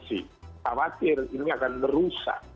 saya khawatir ini akan merusak